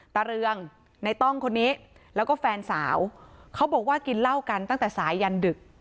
เรืองในต้องคนนี้แล้วก็แฟนสาวเขาบอกว่ากินเหล้ากันตั้งแต่สายยันดึก